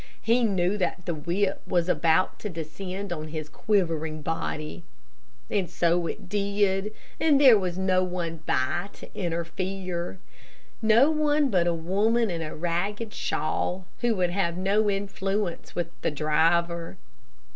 He knew that the whip was about to descend on his quivering body. And so it did, and there was no one by to interfere. No one but a woman in a ragged shawl who would have no influence with the driver.